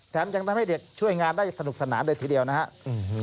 ยังทำให้เด็กช่วยงานได้สนุกสนานเลยทีเดียวนะครับ